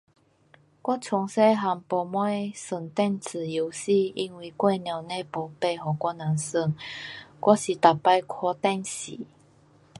我从小个没玩什玩电子游戏，因为我的母亲没买给我人玩。我是每次看电视。